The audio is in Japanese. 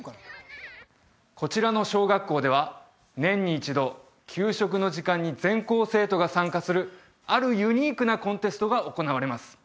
こちらの小学校では年に１度給食の時間に全校生徒が参加するあるユニークなコンテストが行われます